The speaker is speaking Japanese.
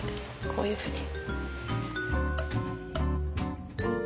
こういうふうに。